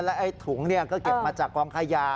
แล้วไอ้ถุงก็เก็บมาจากความขยา